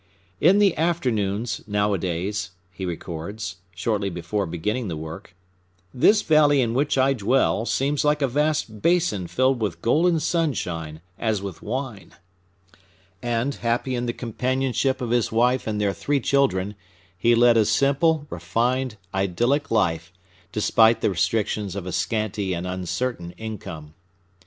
"In the afternoons, nowadays," he records, shortly before beginning the work, "this valley in which I dwell seems like a vast basin filled with golden Sunshine as with wine;" and, happy in the companionship of his wife and their three children, he led a simple, refined, idyllic life, despite the restrictions of a scanty and uncertain income.